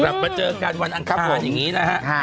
กลับมาเจอกันวันอังคารอย่างนี้นะฮะ